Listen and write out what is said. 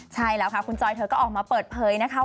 ใช่แล้วค่ะคุณจอยเธอก็ออกมาเปิดเผยนะคะ